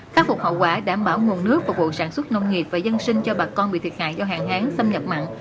khắc phục hậu quả đảm bảo nguồn nước và vụ sản xuất nông nghiệp và dân sinh cho bà con bị thiệt hại do hàng háng xâm nhập mặn